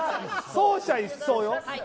走者一掃よ？